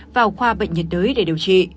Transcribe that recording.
vào khoa bệnh nhiệt đới để điều trị